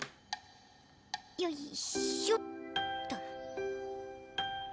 よいしょっと。